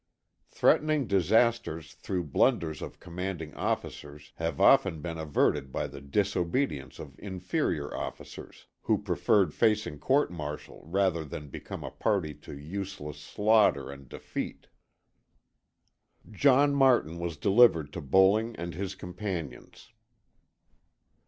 Threatening disasters through blunders of commanding officers have often been averted by the disobedience of inferior officers, who preferred facing court martial rather than become a party to useless slaughter and defeat. John Martin was delivered to Bowling and his companions.